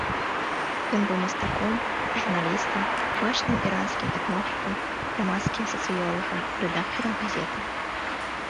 Ён быў мастаком, журналістам, бачным іранскім этнографам і грамадскім сацыёлагам, рэдактарам газеты.